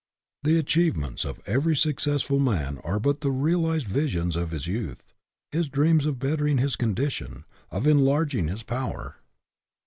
The achievements of every successful man 70 WORLD OWES TO DREAMERS are but the realized visions of his youth, his dreams of bettering his condition, of enlarging his power.